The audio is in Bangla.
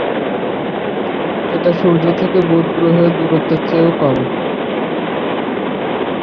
এটা সূর্য থেকে বুধ গ্রহের দূরত্বের চেয়েও কম।